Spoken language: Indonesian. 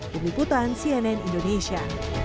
pengikutan cnn indonesia